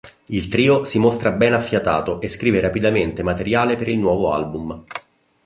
Il trio si mostra ben affiatato e scrive rapidamente materiale per il nuovo album.